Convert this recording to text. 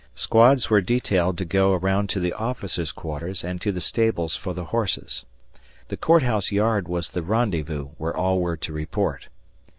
Squads were detailed to go around to the officers' quarters and to the stables for the horses. The court house yard was the rendezvous where all were to report.